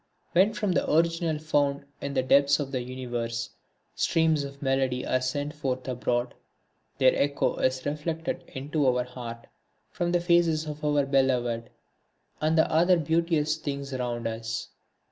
When from the original fount in the depths of the Universe streams of melody are sent forth abroad, their echo is reflected into our heart from the faces of our beloved and the other beauteous things around us.